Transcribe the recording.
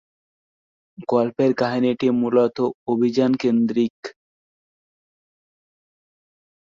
গল্পের কাহিনীটি মূলত অভিযান-কেন্দ্রিক।